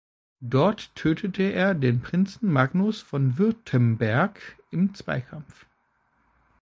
Dort tötete er den Prinzen Magnus von Württemberg im Zweikampf.